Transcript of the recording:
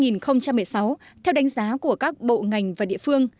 năm hai nghìn một mươi sáu theo đánh giá của các bộ ngành và địa phương